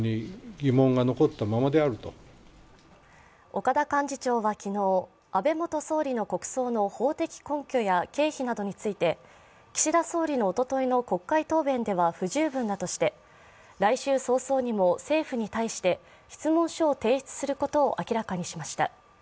岡田幹事長は昨日、安倍元総理の国葬の法的根拠や経費などについて岸田総理のおとといの国会答弁では、不十分だとして来週早々にも政府に対して質問書を提出することを明らかにしました。